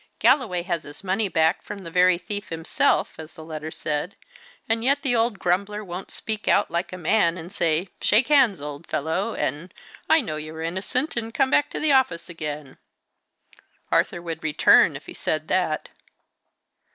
Galloway has his money back from the very thief himself, as the letter said, and yet the old grumbler won't speak out like a man, and say, 'Shake hands, old fellow,' and 'I know you are innocent, and come back to the office again.' Arthur would return, if he said that.